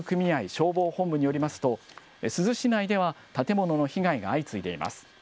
消防本部によりますと、珠洲市内では建物の被害が相次いでいます。